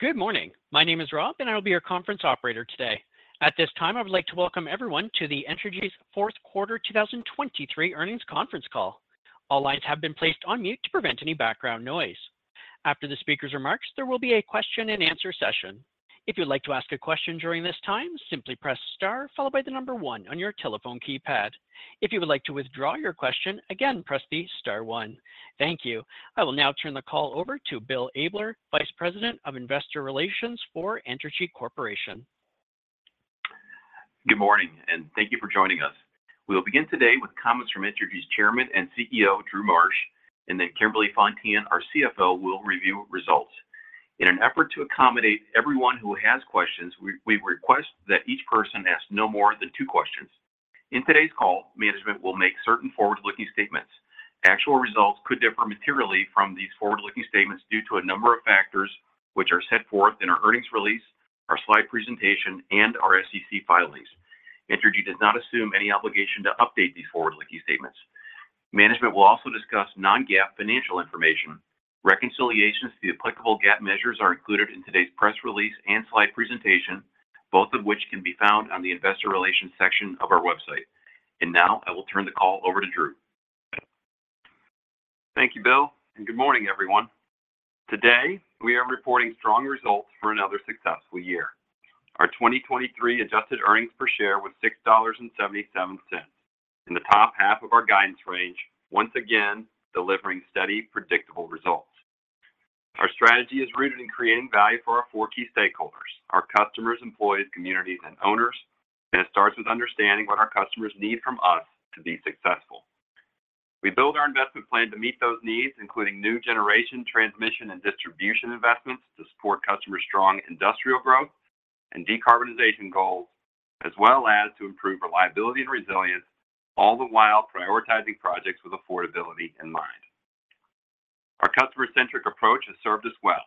Good morning. My name is Rob, and I will be your conference operator today. At this time, I would like to welcome everyone to the Entergy's Fourth Quarter 2023 Earnings Conference Call. All lines have been placed on mute to prevent any background noise. After the speaker's remarks, there will be a question-and-answer session. If you would like to ask a question during this time, simply press star followed by the number one on your telephone keypad. If you would like to withdraw your question, again press the star one. Thank you. I will now turn the call over to Bill Abler, Vice President of Investor Relations for Entergy Corporation. Good morning, and thank you for joining us. We will begin today with comments from Entergy's Chairman and CEO, Drew Marsh, and then Kimberly Fontan, our CFO, will review results. In an effort to accommodate everyone who has questions, we request that each person ask no more than two questions. In today's call, management will make certain forward-looking statements. Actual results could differ materially from these forward-looking statements due to a number of factors which are set forth in our earnings release, our slide presentation, and our SEC filings. Entergy does not assume any obligation to update these forward-looking statements. Management will also discuss non-GAAP financial information. Reconciliations to the applicable GAAP measures are included in today's press release and slide presentation, both of which can be found on the Investor Relations section of our website. Now I will turn the call over to Drew. Thank you, Bill, and good morning, everyone. Today, we are reporting strong results for another successful year. Our 2023 adjusted earnings per share was $6.77, in the top half of our guidance range, once again delivering steady, predictable results. Our strategy is rooted in creating value for our four key stakeholders: our customers, employees, communities, and owners, and it starts with understanding what our customers need from us to be successful. We build our investment plan to meet those needs, including new generation, transmission, and distribution investments to support customers' strong industrial growth and decarbonization goals, as well as to improve reliability and resilience, all the while prioritizing projects with affordability in mind. Our customer-centric approach has served us well,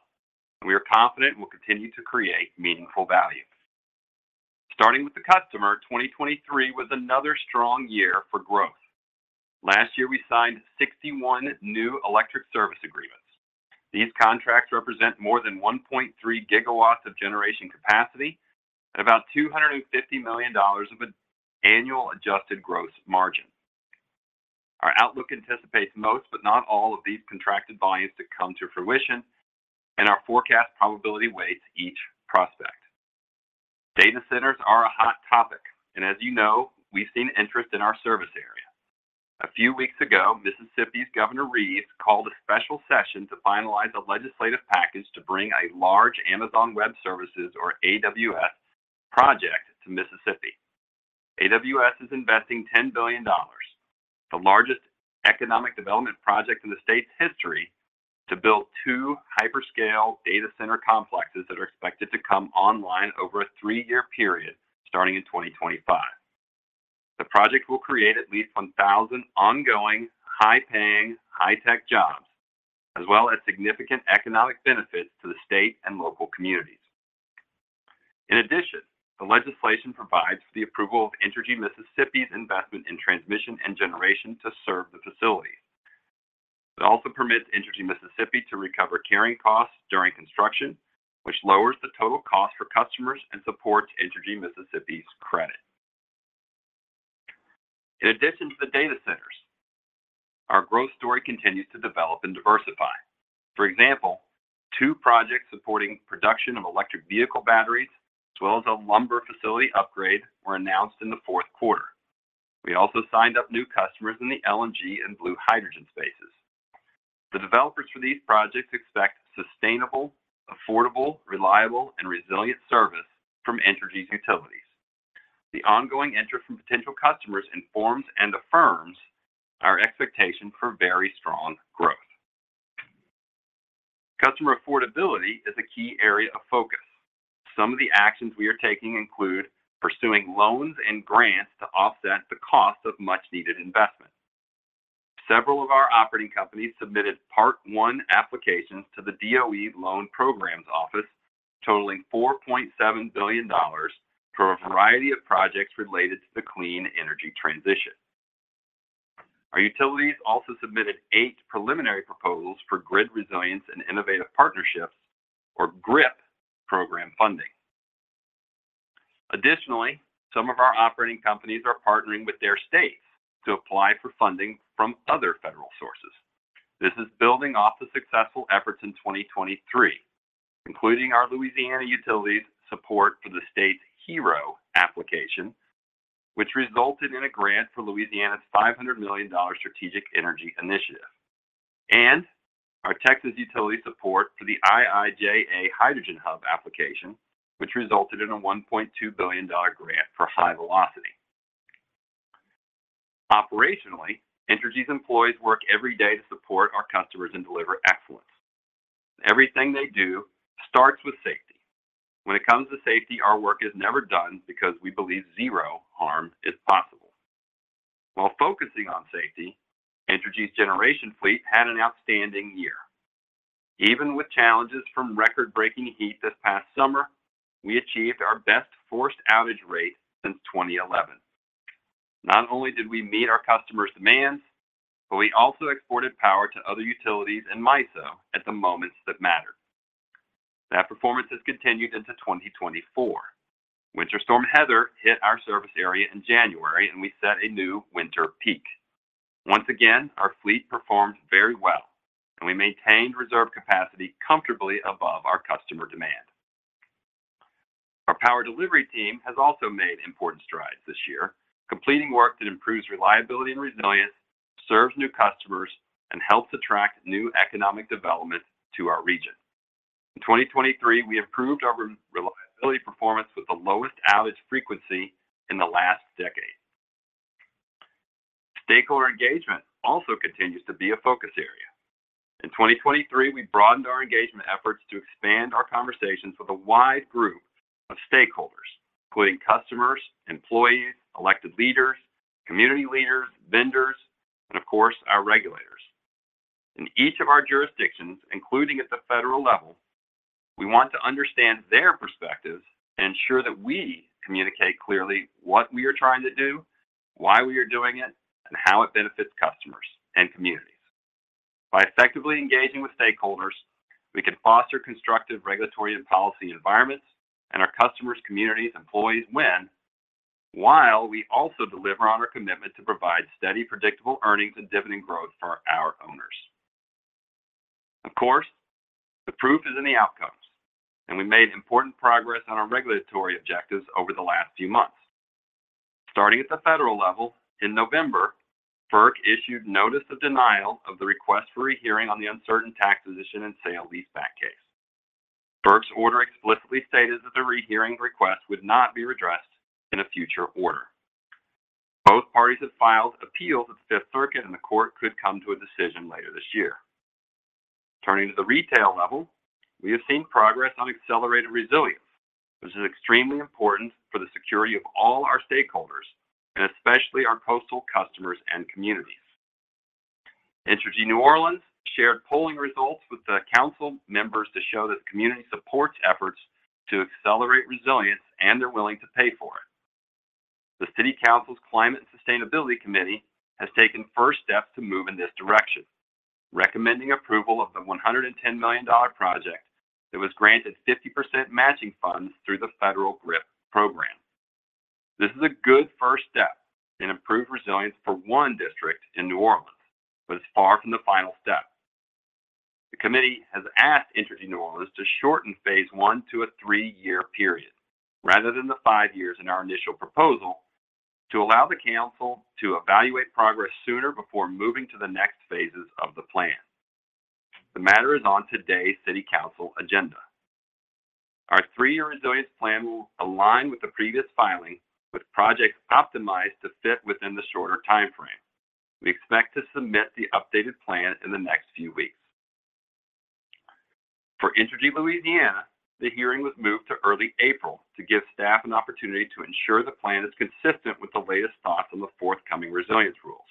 and we are confident we'll continue to create meaningful value. Starting with the customer, 2023 was another strong year for growth. Last year, we signed 61 new electric service agreements. These contracts represent more than 1.3 GW of generation capacity and about $250 million of annual adjusted gross margin. Our outlook anticipates most but not all of these contracted volumes to come to fruition, and our forecast probability weights each prospect. Data centers are a hot topic, and as you know, we've seen interest in our service area. A few weeks ago, Mississippi's Governor Reeves called a special session to finalize a legislative package to bring a large Amazon Web Services, or AWS, project to Mississippi. AWS is investing $10 billion, the largest economic development project in the state's history, to build two hyperscale data center complexes that are expected to come online over a three-year period starting in 2025. The project will create at least 1,000 ongoing, high-paying, high-tech jobs, as well as significant economic benefits to the state and local communities. In addition, the legislation provides for the approval of Entergy Mississippi's investment in transmission and generation to serve the facilities. It also permits Entergy Mississippi to recover carrying costs during construction, which lowers the total cost for customers and supports Entergy Mississippi's credit. In addition to the data centers, our growth story continues to develop and diversify. For example, two projects supporting production of electric vehicle batteries, as well as a lumber facility upgrade, were announced in the fourth quarter. We also signed up new customers in the LNG and blue hydrogen spaces. The developers for these projects expect sustainable, affordable, reliable, and resilient service from Entergy's utilities. The ongoing interest from potential customers informs and affirms our expectation for very strong growth. Customer affordability is a key area of focus. Some of the actions we are taking include pursuing loans and grants to offset the cost of much-needed investment. Several of our operating companies submitted Part 1 applications to the DOE Loan Programs Office, totaling $4.7 billion for a variety of projects related to the clean energy transition. Our utilities also submitted eight preliminary proposals for Grid Resilience and Innovative Partnerships, or GRIP, program funding. Additionally, some of our operating companies are partnering with their states to apply for funding from other federal sources. This is building off the successful efforts in 2023, including our Louisiana utilities' support for the state's HERO application, which resulted in a grant for Louisiana's $500 million strategic energy initiative, and our Texas utilities' support for the IIJA Hydrogen Hub application, which resulted in a $1.2 billion grant for HyVelocity. Operationally, Entergy's employees work every day to support our customers and deliver excellence. Everything they do starts with safety. When it comes to safety, our work is never done because we believe zero harm is possible. While focusing on safety, Entergy's generation fleet had an outstanding year. Even with challenges from record-breaking heat this past summer, we achieved our best forced outage rate since 2011. Not only did we meet our customers' demands, but we also exported power to other utilities in MISO at the moments that mattered. That performance has continued into 2024. Winter Storm Heather hit our service area in January, and we set a new winter peak. Once again, our fleet performed very well, and we maintained reserve capacity comfortably above our customer demand. Our power delivery team has also made important strides this year, completing work that improves reliability and resilience, serves new customers, and helps attract new economic development to our region. In 2023, we improved our reliability performance with the lowest outage frequency in the last decade. Stakeholder engagement also continues to be a focus area. In 2023, we broadened our engagement efforts to expand our conversations with a wide group of stakeholders, including customers, employees, elected leaders, community leaders, vendors, and of course, our regulators. In each of our jurisdictions, including at the federal level, we want to understand their perspectives and ensure that we communicate clearly what we are trying to do, why we are doing it, and how it benefits customers and communities. By effectively engaging with stakeholders, we can foster constructive regulatory and policy environments, and our customers, communities, employees win, while we also deliver on our commitment to provide steady, predictable earnings and dividend growth for our owners. Of course, the proof is in the outcomes, and we made important progress on our regulatory objectives over the last few months. Starting at the federal level, in November, FERC issued notice of denial of the request for rehearing on the uncertain tax position and sale-leaseback case. FERC's order explicitly stated that the rehearing request would not be redressed in a future order. Both parties have filed appeals at the Fifth Circuit, and the court could come to a decision later this year. Turning to the retail level, we have seen progress on accelerated resilience, which is extremely important for the security of all our stakeholders, and especially our coastal customers and communities. Entergy New Orleans shared polling results with the council members to show that the community supports efforts to accelerate resilience and they're willing to pay for it. The City Council's Climate and Sustainability Committee has taken first steps to move in this direction, recommending approval of the $110 million project that was granted 50% matching funds through the federal GRIP program. This is a good first step in improved resilience for one district in New Orleans, but it's far from the final step. The committee has asked Entergy New Orleans to shorten phase I to a three-year period rather than the five years in our initial proposal, to allow the council to evaluate progress sooner before moving to the next phases of the plan. The matter is on today's City Council agenda. Our three-year resilience plan will align with the previous filing, with projects optimized to fit within the shorter time frame. We expect to submit the updated plan in the next few weeks. For Entergy Louisiana, the hearing was moved to early April to give staff an opportunity to ensure the plan is consistent with the latest thoughts on the forthcoming resilience rules.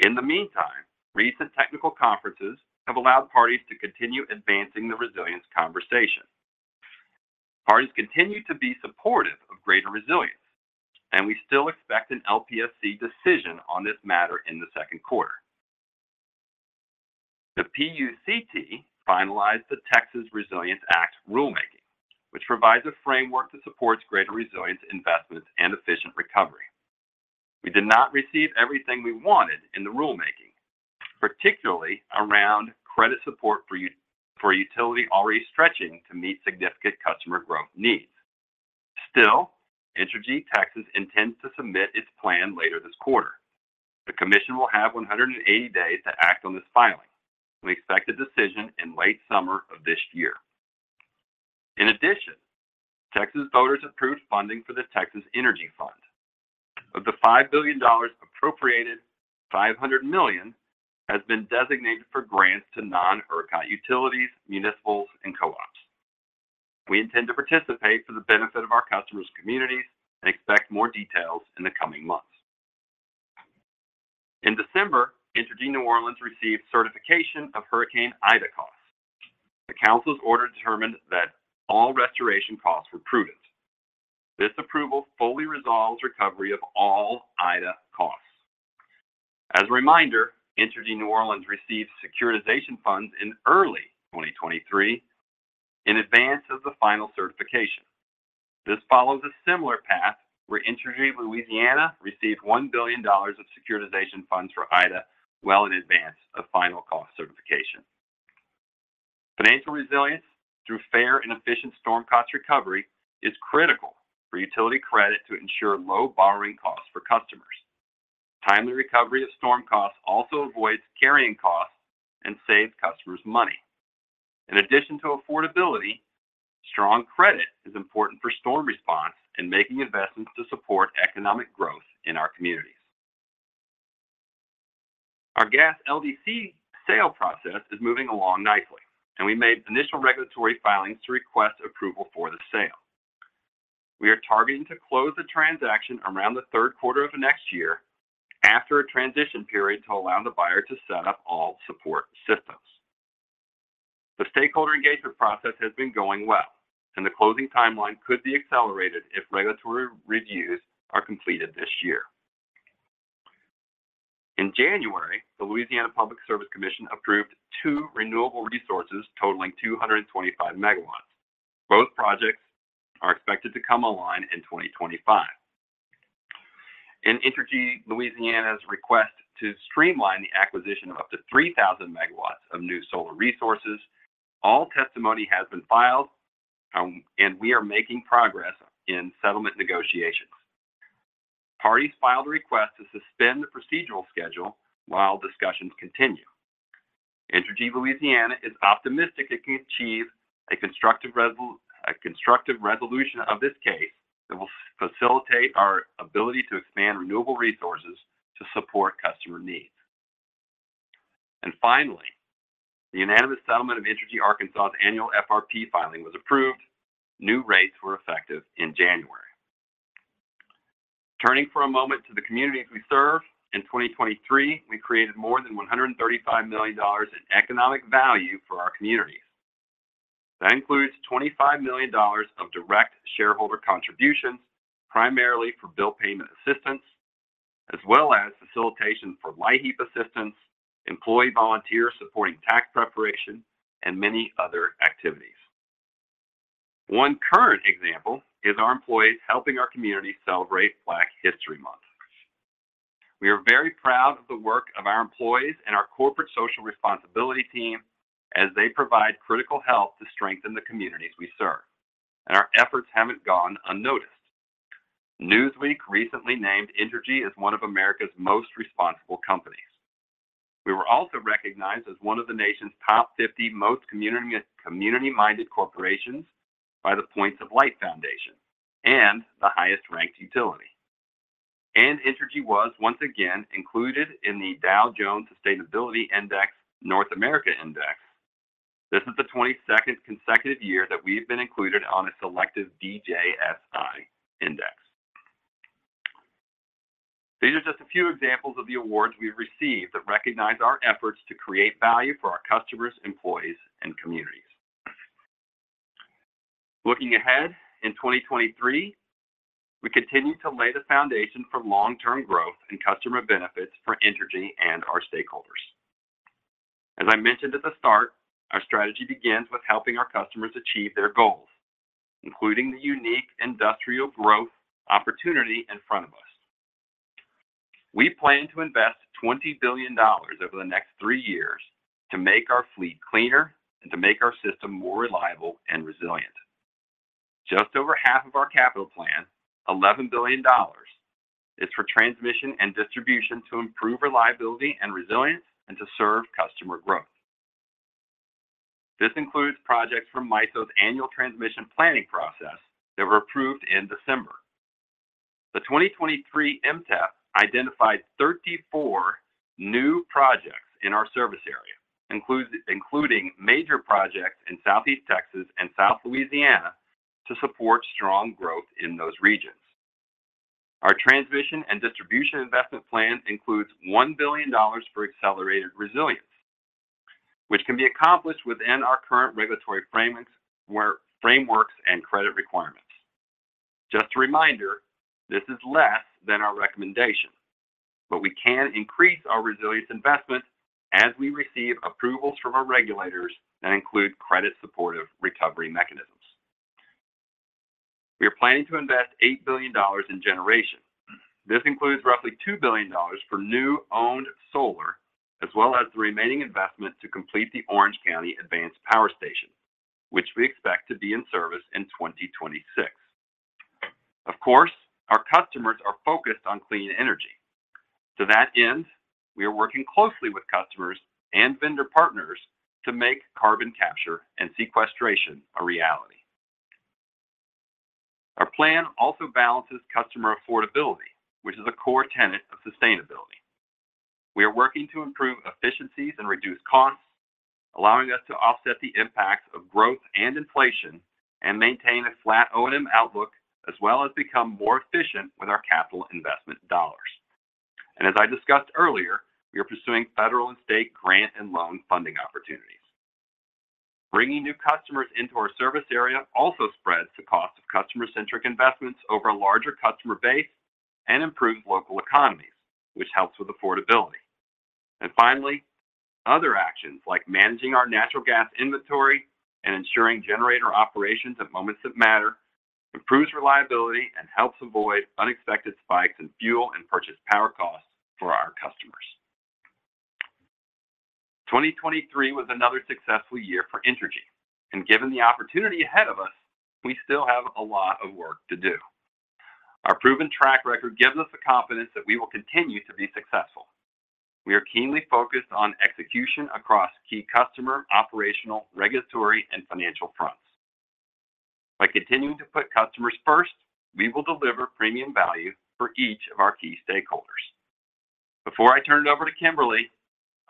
In the meantime, recent technical conferences have allowed parties to continue advancing the resilience conversation. Parties continue to be supportive of greater resilience, and we still expect an LPSC decision on this matter in the second quarter. The PUCT finalized the Texas Resilience Act rulemaking, which provides a framework that supports greater resilience investments and efficient recovery. We did not receive everything we wanted in the rulemaking, particularly around credit support for a utility already stretching to meet significant customer growth needs. Still, Entergy Texas intends to submit its plan later this quarter. The commission will have 180 days to act on this filing. We expect a decision in late summer of this year. In addition, Texas voters approved funding for the Texas Energy Fund. Of the $5 billion appropriated, $500 million has been designated for grants to non-ERCOT utilities, municipals, and co-ops. We intend to participate for the benefit of our customers' communities and expect more details in the coming months. In December, Entergy New Orleans received certification of Hurricane Ida costs. The council's order determined that all restoration costs were prudent. This approval fully resolves recovery of all Ida costs. As a reminder, Entergy New Orleans received securitization funds in early 2023 in advance of the final certification. This follows a similar path where Entergy Louisiana received $1 billion of securitization funds for Ida well in advance of final cost certification. Financial resilience through fair and efficient storm cost recovery is critical for utility credit to ensure low borrowing costs for customers. Timely recovery of storm costs also avoids carrying costs and saves customers money. In addition to affordability, strong credit is important for storm response and making investments to support economic growth in our communities. Our gas LDC sale process is moving along nicely, and we made initial regulatory filings to request approval for the sale. We are targeting to close the transaction around the third quarter of next year after a transition period to allow the buyer to set up all support systems. The stakeholder engagement process has been going well, and the closing timeline could be accelerated if regulatory reviews are completed this year. In January, the Louisiana Public Service Commission approved two renewable resources totaling 225 MW. Both projects are expected to come online in 2025. In Entergy Louisiana's request to streamline the acquisition of up to 3,000 MW of new solar resources, all testimony has been filed, and we are making progress in settlement negotiations. Parties filed a request to suspend the procedural schedule while discussions continue. Entergy Louisiana is optimistic it can achieve a constructive resolution of this case that will facilitate our ability to expand renewable resources to support customer needs. Finally, the unanimous settlement of Entergy Arkansas's annual FRP filing was approved. New rates were effective in January. Turning for a moment to the communities we serve, in 2023, we created more than $135 million in economic value for our communities. That includes $25 million of direct shareholder contributions, primarily for bill payment assistance, as well as facilitation for LIHEAP assistance, employee volunteer supporting tax preparation, and many other activities. One current example is our employees helping our community celebrate Black History Month. We are very proud of the work of our employees and our corporate social responsibility team as they provide critical help to strengthen the communities we serve, and our efforts haven't gone unnoticed. Newsweek recently named Entergy as one of America's Most Responsible Companies. We were also recognized as one of the nation's top 50 most community-minded corporations by the Points of Light Foundation and the highest-ranked utility. Entergy was, once again, included in the Dow Jones Sustainability Index North America Index. This is the 22nd consecutive year that we've been included on a selective DJSI index. These are just a few examples of the awards we've received that recognize our efforts to create value for our customers, employees, and communities. Looking ahead in 2023, we continue to lay the foundation for long-term growth and customer benefits for Entergy and our stakeholders. As I mentioned at the start, our strategy begins with helping our customers achieve their goals, including the unique industrial growth opportunity in front of us. We plan to invest $20 billion over the next three years to make our fleet cleaner and to make our system more reliable and resilient. Just over half of our capital plan, $11 billion, is for transmission and distribution to improve reliability and resilience and to serve customer growth. This includes projects from MISO's annual transmission planning process that were approved in December. The 2023 MTEP identified 34 new projects in our service area, including major projects in Southeast Texas and South Louisiana to support strong growth in those regions. Our transmission and distribution investment plan includes $1 billion for accelerated resilience, which can be accomplished within our current regulatory frameworks and credit requirements. Just a reminder, this is less than our recommendation, but we can increase our resilience investment as we receive approvals from our regulators that include credit-supportive recovery mechanisms. We are planning to invest $8 billion in generation. This includes roughly $2 billion for new owned solar, as well as the remaining investment to complete the Orange County Advanced Power Station, which we expect to be in service in 2026. Of course, our customers are focused on clean energy. To that end, we are working closely with customers and vendor partners to make carbon capture and sequestration a reality. Our plan also balances customer affordability, which is a core tenet of sustainability. We are working to improve efficiencies and reduce costs, allowing us to offset the impacts of growth and inflation and maintain a flat O&M outlook, as well as become more efficient with our capital investment dollars. And as I discussed earlier, we are pursuing federal and state grant and loan funding opportunities. Bringing new customers into our service area also spreads the cost of customer-centric investments over a larger customer base and improves local economies, which helps with affordability. And finally, other actions like managing our natural gas inventory and ensuring generator operations at moments that matter improve reliability and help avoid unexpected spikes in fuel and purchased power costs for our customers. 2023 was another successful year for Entergy, and given the opportunity ahead of us, we still have a lot of work to do. Our proven track record gives us the confidence that we will continue to be successful. We are keenly focused on execution across key customer, operational, regulatory, and financial fronts. By continuing to put customers first, we will deliver premium value for each of our key stakeholders. Before I turn it over to Kimberly,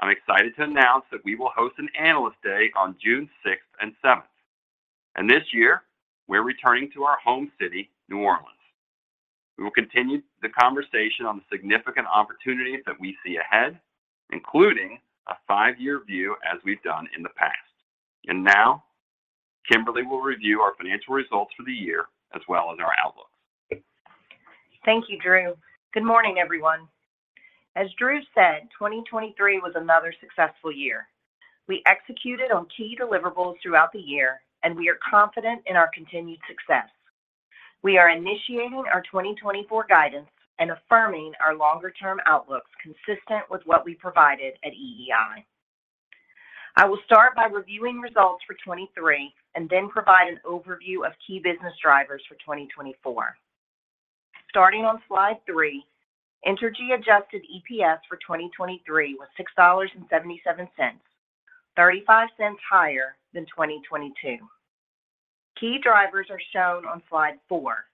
I'm excited to announce that we will host an Analyst Day on June 6th and 7th. This year, we're returning to our home city, New Orleans. We will continue the conversation on the significant opportunities that we see ahead, including a five-year view as we've done in the past. Now, Kimberly will review our financial results for the year as well as our outlooks. Thank you, Drew. Good morning, everyone. As Drew said, 2023 was another successful year. We executed on key deliverables throughout the year, and we are confident in our continued success. We are initiating our 2024 guidance and affirming our longer-term outlooks consistent with what we provided at EEI. I will start by reviewing results for 2023 and then provide an overview of key business drivers for 2024. Starting on slide three, Entergy adjusted EPS for 2023 was $6.77, $0.35 higher than 2022. Key drivers are shown on slide four.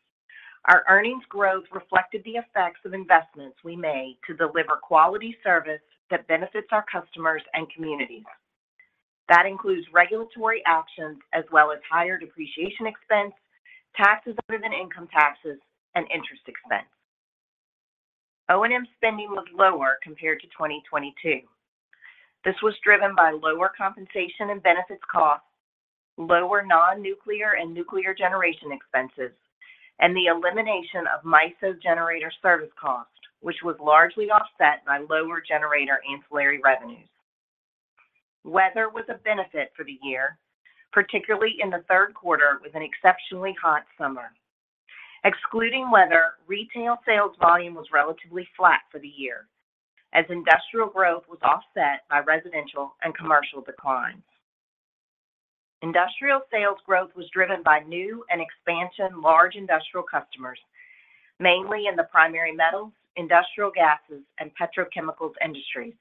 Our earnings growth reflected the effects of investments we made to deliver quality service that benefits our customers and communities. That includes regulatory actions as well as higher depreciation expense, taxes other than income taxes, and interest expense. O&M spending was lower compared to 2022. This was driven by lower compensation and benefits costs, lower non-nuclear and nuclear generation expenses, and the elimination of MISO generator service cost, which was largely offset by lower generator ancillary revenues. Weather was a benefit for the year, particularly in the third quarter with an exceptionally hot summer. Excluding weather, retail sales volume was relatively flat for the year, as industrial growth was offset by residential and commercial declines. Industrial sales growth was driven by new and expansion large industrial customers, mainly in the primary metals, industrial gases, and petrochemicals industries.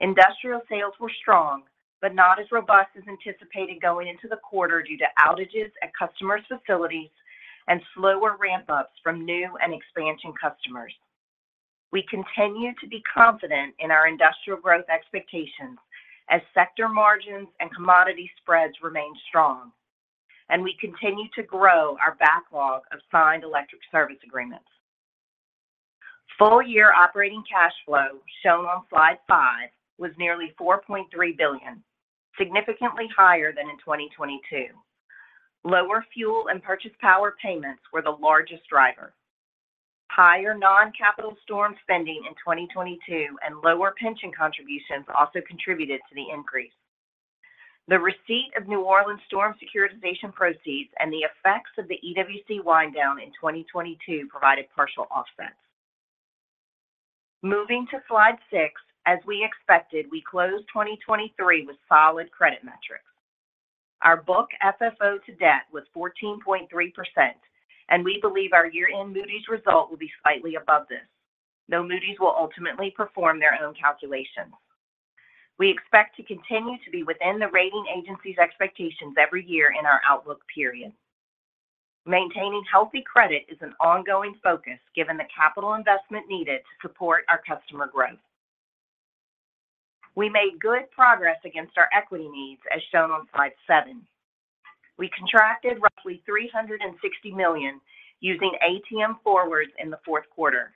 Industrial sales were strong but not as robust as anticipated going into the quarter due to outages at customers' facilities and slower ramp-ups from new and expansion customers. We continue to be confident in our industrial growth expectations as sector margins and commodity spreads remain strong, and we continue to grow our backlog of signed electric service agreements. Full-year operating cash flow, shown on slide five, was nearly $4.3 billion, significantly higher than in 2022. Lower fuel and purchased power payments were the largest driver. Higher non-capital storm spending in 2022 and lower pension contributions also contributed to the increase. The receipt of New Orleans storm securitization proceeds and the effects of the EWC winddown in 2022 provided partial offsets. Moving to slide six, as we expected, we closed 2023 with solid credit metrics. Our book FFO to debt was 14.3%, and we believe our year-end Moody's result will be slightly above this. Though Moody's will ultimately perform their own calculations. We expect to continue to be within the rating agency's expectations every year in our outlook period. Maintaining healthy credit is an ongoing focus given the capital investment needed to support our customer growth. We made good progress against our equity needs, as shown on slide seven. We contracted roughly $360 million using ATM forwards in the fourth quarter.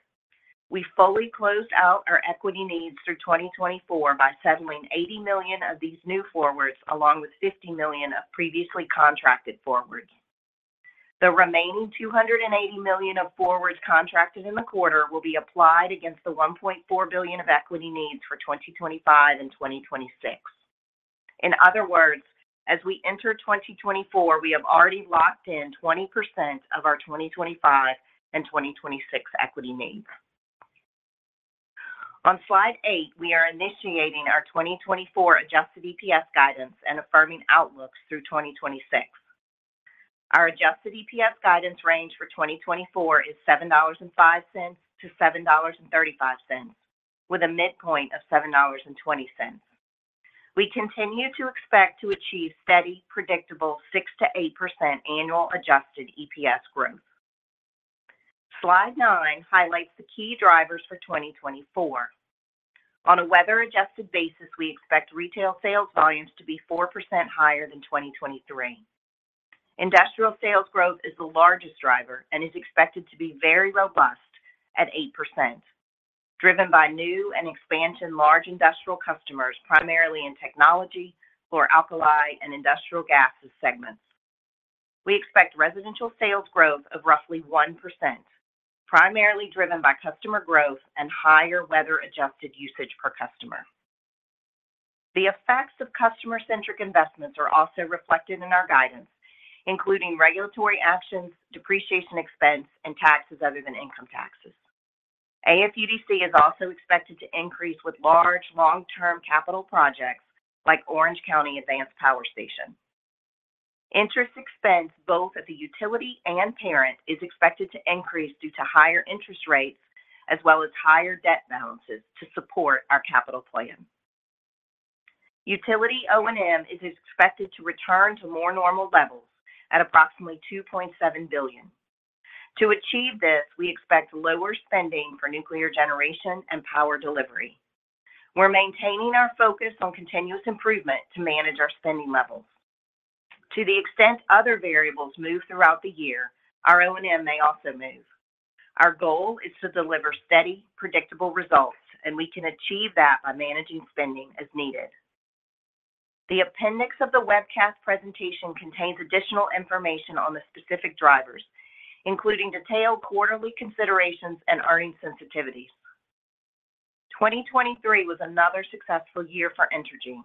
We fully closed out our equity needs through 2024 by settling $80 million of these new forwards along with $50 million of previously contracted forwards. The remaining $280 million of forwards contracted in the quarter will be applied against the $1.4 billion of equity needs for 2025 and 2026. In other words, as we enter 2024, we have already locked in 20% of our 2025 and 2026 equity needs. On slide eight, we are initiating our 2024 adjusted EPS guidance and affirming outlooks through 2026. Our adjusted EPS guidance range for 2024 is $7.05-$7.35, with a midpoint of $7.20. We continue to expect to achieve steady, predictable 6%-8% annual adjusted EPS growth. Slide nine highlights the key drivers for 2024. On a weather-adjusted basis, we expect retail sales volumes to be 4% higher than 2023. Industrial sales growth is the largest driver and is expected to be very robust at 8%, driven by new and expansion large industrial customers, primarily in technology, chlor-alkali and industrial gases segments. We expect residential sales growth of roughly 1%, primarily driven by customer growth and higher weather-adjusted usage per customer. The effects of customer-centric investments are also reflected in our guidance, including regulatory actions, depreciation expense, and taxes other than income taxes. AFUDC is also expected to increase with large, long-term capital projects like Orange County Advanced Power Station. Interest expense both at the utility and parent is expected to increase due to higher interest rates as well as higher debt balances to support our capital plan. Utility O&M is expected to return to more normal levels at approximately $2.7 billion. To achieve this, we expect lower spending for nuclear generation and power delivery. We're maintaining our focus on continuous improvement to manage our spending levels. To the extent other variables move throughout the year, our O&M may also move. Our goal is to deliver steady, predictable results, and we can achieve that by managing spending as needed. The appendix of the webcast presentation contains additional information on the specific drivers, including detailed quarterly considerations and earnings sensitivities. 2023 was another successful year for Entergy.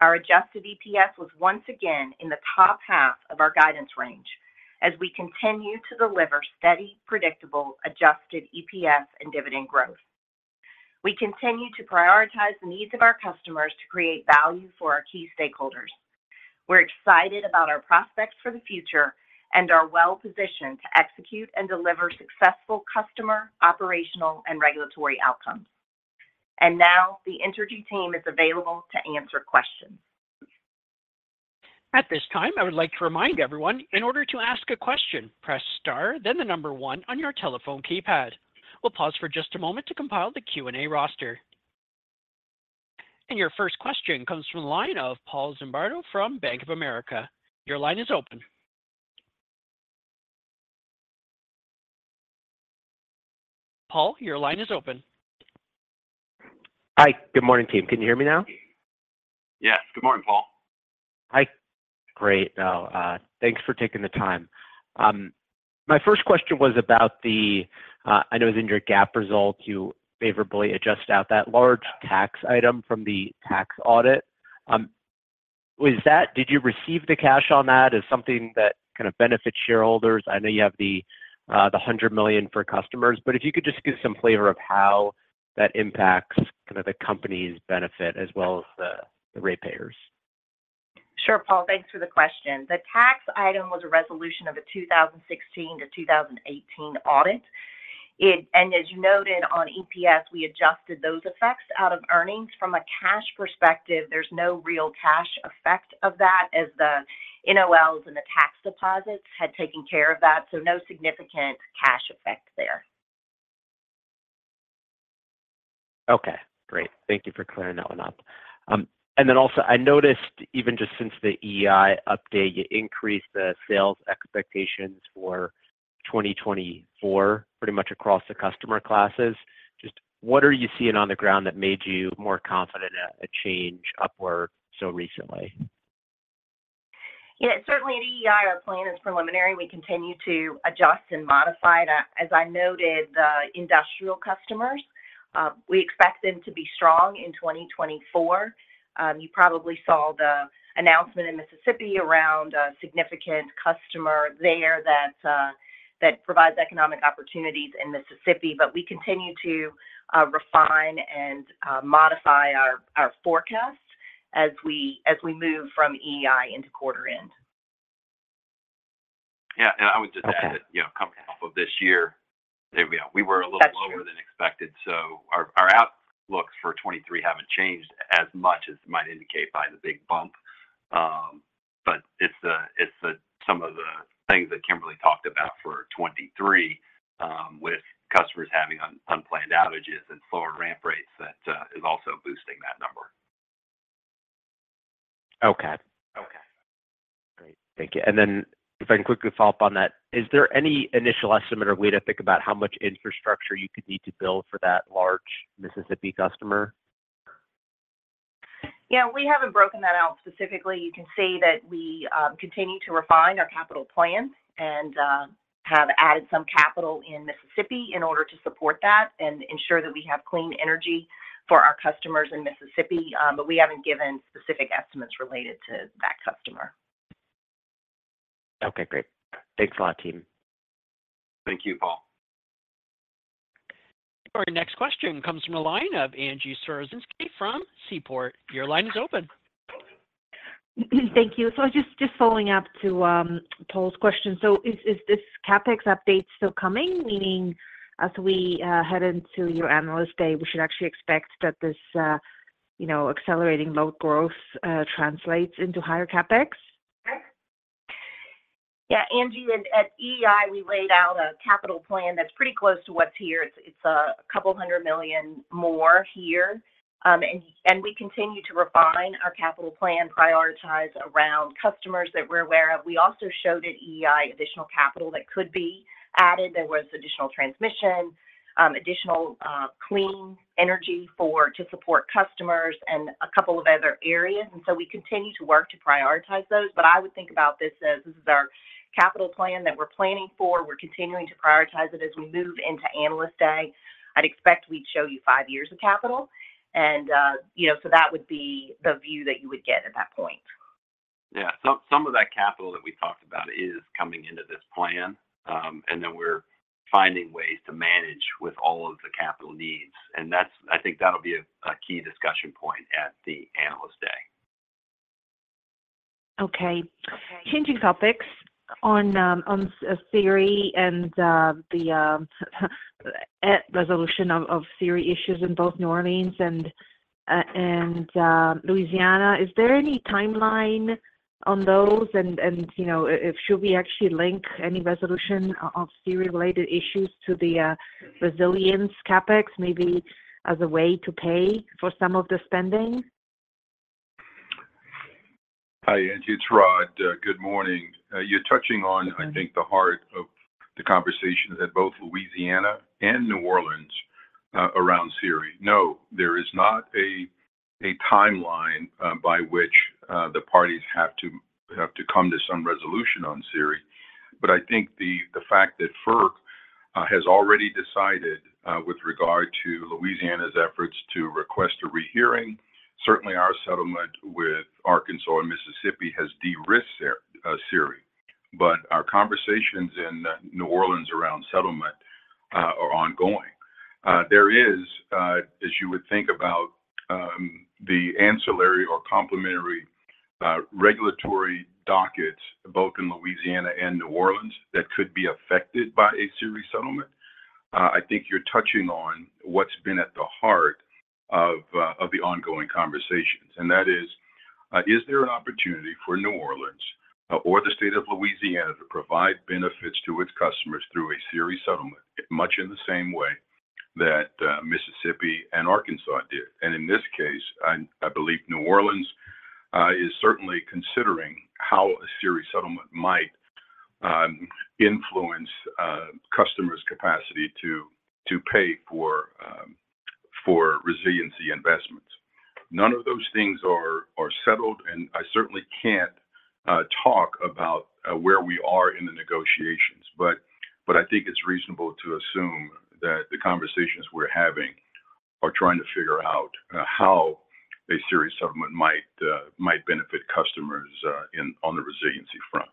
Our adjusted EPS was once again in the top half of our guidance range as we continue to deliver steady, predictable adjusted EPS and dividend growth. We continue to prioritize the needs of our customers to create value for our key stakeholders. We're excited about our prospects for the future and are well-positioned to execute and deliver successful customer, operational, and regulatory outcomes. Now, the Entergy team is available to answer questions. At this time, I would like to remind everyone, in order to ask a question, press star, then the number one on your telephone keypad. We'll pause for just a moment to compile the Q&A roster. Your first question comes from the line of Paul Zimbardo from Bank of America. Your line is open. Paul, your line is open. Hi. Good morning, team. Can you hear me now? Yes. Good morning, Paul. Hi. Great. Thanks for taking the time. My first question was about the. I know it was in your GAAP result. You favorably adjusted out that large tax item from the tax audit. Did you receive the cash on that as something that kind of benefits shareholders? I know you have the $100 million for customers, but if you could just give some flavor of how that impacts kind of the company's benefit as well as the ratepayers. Sure, Paul. Thanks for the question. The tax item was a resolution of a 2016-2018 audit. And as you noted, on EPS, we adjusted those effects out of earnings. From a cash perspective, there's no real cash effect of that as the NOLs and the tax deposits had taken care of that. So no significant cash effect there. Okay. Great. Thank you for clearing that one up. And then also, I noticed even just since the EEI update, you increased the sales expectations for 2024 pretty much across the customer classes. Just what are you seeing on the ground that made you more confident at change upward so recently? Yeah. Certainly, at Q1, our plan is preliminary. We continue to adjust and modify. As I noted, the industrial customers, we expect them to be strong in 2024. You probably saw the announcement in Mississippi around a significant customer there that provides economic opportunities in Mississippi. But we continue to refine and modify our forecasts as we move from EEI into quarter-end. Yeah. And I would just add that coming off of this year, we were a little lower than expected. So our outlooks for 2023 haven't changed as much as it might indicate by the big bump. But it's some of the things that Kimberly talked about for 2023 with customers having unplanned outages and slower ramp rates that is also boosting that number. Okay. Okay. Great. Thank you. And then if I can quickly follow up on that, is there any initial estimate or way to think about how much infrastructure you could need to build for that large Mississippi customer? Yeah. We haven't broken that out specifically. You can see that we continue to refine our capital plan and have added some capital in Mississippi in order to support that and ensure that we have clean energy for our customers in Mississippi. But we haven't given specific estimates related to that customer. Okay. Great. Thanks a lot, team. Thank you, Paul. All right. Next question comes from a line of Angie Storozynski from Seaport. Your line is open. Thank you. So just following up to Paul's question, so is this CapEx update still coming? Meaning, as we head into your analyst day, we should actually expect that this accelerating load growth translates into higher CapEx? Yeah. Angie, at EEI, we laid out a capital plan that's pretty close to what's here. It's $200 million more here. We continue to refine our capital plan, prioritize around customers that we're aware of. We also showed at EEI additional capital that could be added. There was additional transmission, additional clean energy to support customers, and a couple of other areas. We continue to work to prioritize those. But I would think about this as this is our capital plan that we're planning for. We're continuing to prioritize it as we move into analyst day. I'd expect we'd show you 5 years of capital. That would be the view that you would get at that point. Yeah. Some of that capital that we talked about is coming into this plan. And then we're finding ways to manage with all of the capital needs. And I think that'll be a key discussion point at the analyst day. Okay. Changing topics on SERI and the resolution of SERI issues in both New Orleans and Louisiana, is there any timeline on those? And should we actually link any resolution of SERI-related issues to the resilience CapEx, maybe as a way to pay for some of the spending? Hi, Angie. It's Rod. Good morning. You're touching on, I think, the heart of the conversations at both Louisiana and New Orleans around SERI. No, there is not a timeline by which the parties have to come to some resolution on SERI. But I think the fact that FERC has already decided with regard to Louisiana's efforts to request a rehearing, certainly our settlement with Arkansas and Mississippi has de-risked SERI. But our conversations in New Orleans around settlement are ongoing. There is, as you would think about the ancillary or complementary regulatory dockets both in Louisiana and New Orleans that could be affected by a SERI settlement, I think you're touching on what's been at the heart of the ongoing conversations. That is, is there an opportunity for New Orleans or the state of Louisiana to provide benefits to its customers through a SERI settlement much in the same way that Mississippi and Arkansas did? In this case, I believe New Orleans is certainly considering how a SERI settlement might influence customers' capacity to pay for resiliency investments. None of those things are settled. I certainly can't talk about where we are in the negotiations. I think it's reasonable to assume that the conversations we're having are trying to figure out how a SERI settlement might benefit customers on the resiliency front.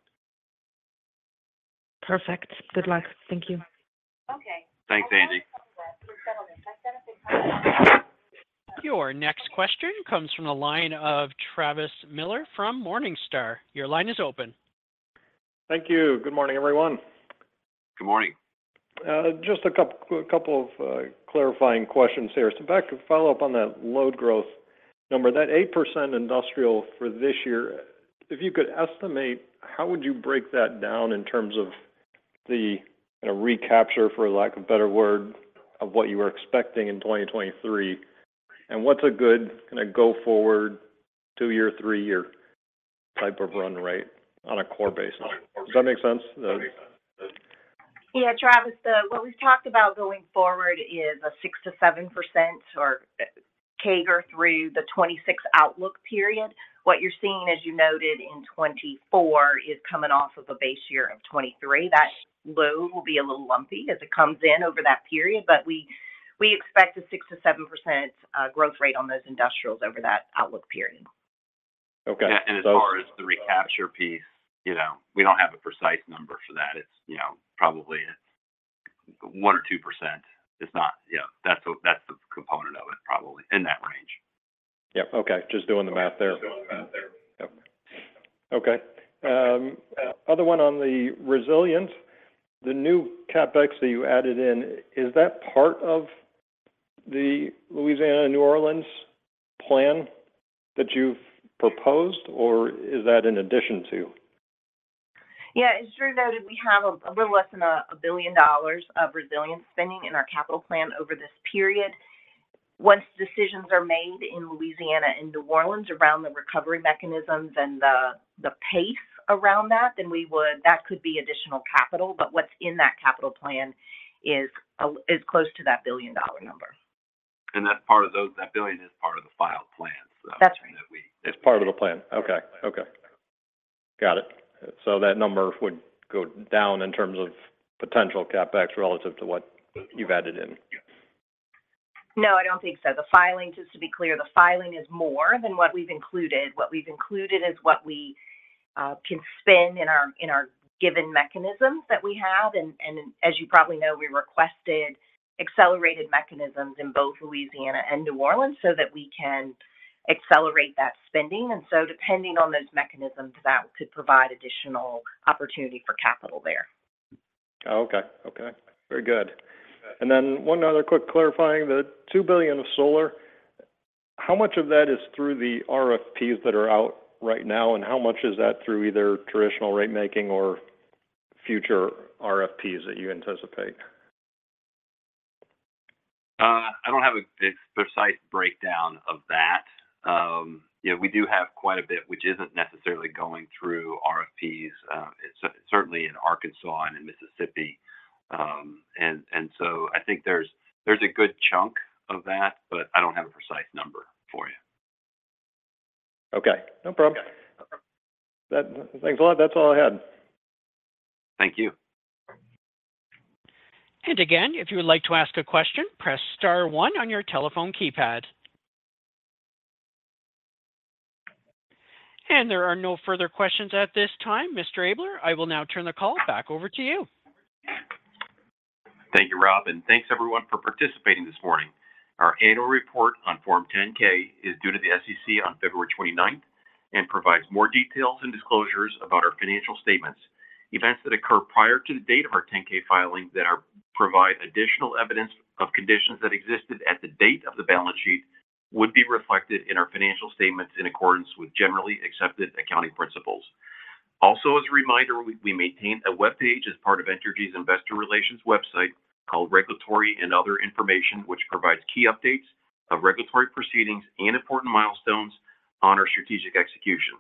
Perfect. Good luck. Thank you. Okay. Thanks, Angie. Your next question comes from a line of Travis Miller from Morningstar. Your line is open. Thank you. Good morning, everyone. Good morning. Just a couple of clarifying questions here. So back to follow up on that load growth number, that 8% industrial for this year, if you could estimate, how would you break that down in terms of the recapture, for lack of a better word, of what you were expecting in 2023? And what's a good kind of go-forward two-year, three-year type of run rate on a core basis? Does that make sense? Yeah. Travis, what we've talked about going forward is a 6%-7% or CAGR through the 2026 outlook period. What you're seeing, as you noted, in 2024 is coming off of a base year of 2023. That low will be a little lumpy as it comes in over that period. But we expect a 6%-7% growth rate on those industrials over that outlook period. Yeah. As far as the recapture piece, we don't have a precise number for that. It's probably 1%-2%. Yeah. That's the component of it, probably, in that range. Yep. Okay. Just doing the math there. Yep. Okay. Other one on the resilience, the new CapEx that you added in, is that part of the Louisiana and New Orleans plan that you've proposed, or is that in addition to? Yeah. As Drew noted, we have a little less than $1 billion of resilience spending in our capital plan over this period. Once decisions are made in Louisiana and New Orleans around the recovery mechanisms and the pace around that, then that could be additional capital. But what's in that capital plan is close to that $1 billion number. And that's part of those. That $1 billion is part of the filed plans, so. That's right. It's part of the plan. Okay. Okay. Got it. So that number would go down in terms of potential CapEx relative to what you've added in? No, I don't think so. Just to be clear, the filing is more than what we've included. What we've included is what we can spend in our given mechanisms that we have. And as you probably know, we requested accelerated mechanisms in both Louisiana and New Orleans so that we can accelerate that spending. And so depending on those mechanisms, that could provide additional opportunity for capital there. Oh, okay. Okay. Very good. And then one other quick clarifying, the $2 billion of solar, how much of that is through the RFPs that are out right now, and how much is that through either traditional ratemaking or future RFPs that you anticipate? I don't have a precise breakdown of that. We do have quite a bit, which isn't necessarily going through RFPs, certainly in Arkansas and in Mississippi. And so I think there's a good chunk of that, but I don't have a precise number for you. Okay. No problem. Thanks a lot. That's all I had. Thank you. And again, if you would like to ask a question, press star one on your telephone keypad. And there are no further questions at this time. Mr. Abler, I will now turn the call back over to you. Thank you, Rob. Thanks, everyone, for participating this morning. Our annual report on Form 10-K is due to the SEC on February 29th and provides more details and disclosures about our financial statements. Events that occur prior to the date of our 10-K filing that provide additional evidence of conditions that existed at the date of the balance sheet would be reflected in our financial statements in accordance with generally accepted accounting principles. Also, as a reminder, we maintain a webpage as part of Entergy's investor relations website called Regulatory and Other Information, which provides key updates of regulatory proceedings and important milestones on our strategic execution.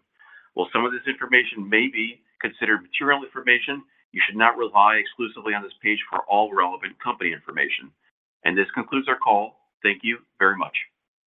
While some of this information may be considered material information, you should not rely exclusively on this page for all relevant company information. This concludes our call. Thank you very much.